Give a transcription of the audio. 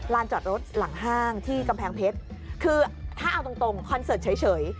จอดรถหลังห้างที่กำแพงเพชรคือถ้าเอาตรงคอนเสิร์ตเฉย